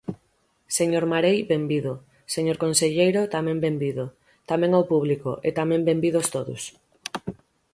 Señor Marei, benvido; señor conselleiro, tamén benvido; tamén ao público, e tamén benvidos todos.